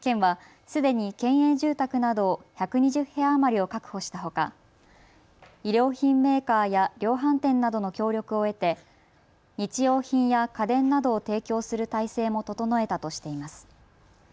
県はすでに県営住宅など１２０部屋余りを確保したほか衣料品メーカーや量販店などの協力を得て日用品や家電などを提供する体制も整えたとしています。